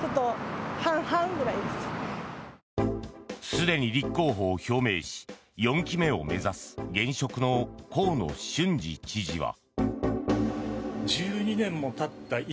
すでに立候補を表明し４期目を目指す現職の河野俊嗣知事は。